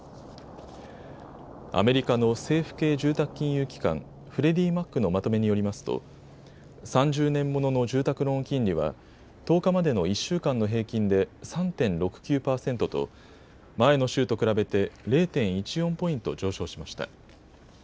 アメリカの政府系住宅金融機関フレディマックのまとめによりますと３０年ものの住宅ローン金利は１０日までの１週間の平均で３．６９％と前の週と比べて０．１４ポイント上昇しました。